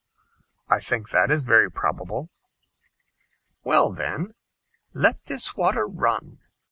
"I think that is very probable." "Well, then, let this water run.